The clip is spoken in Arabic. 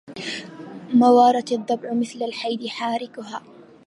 موارة الضبع مثل الحيد حاركها